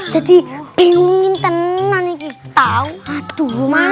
jadi pengen teman itu